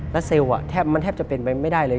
แล้วเซลล์แทบมันแทบจะเป็นไปไม่ได้เลย